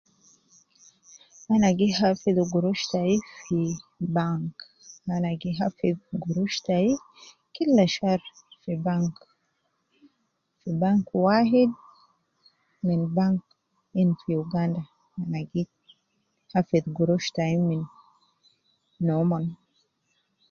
Ana gi hafidhi gurush tai fi bank, ana gi hafidhi gurush tai, killa shar fi bank ,fi bank wahid min bank min fi uganda, ana gi hafidhi gurush tai min nomon